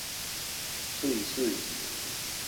喙水